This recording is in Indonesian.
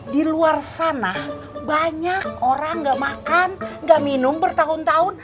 di luar sana banyak orang nggak makan nggak minum bertahun tahun